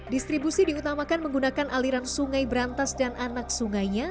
distribusi diutamakan menggunakan aliran sungai berantas dan anak sungainya